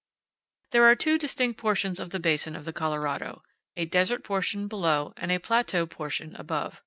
There are two distinct portions of the basin of the Colorado, a desert portion below and a plateau portion above.